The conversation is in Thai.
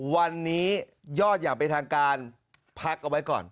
วันนี้ยอดอย่างเป็นทางการพักเอาไว้ก่อน